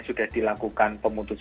sudah dilakukan pemutusan